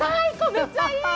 めっちゃいい！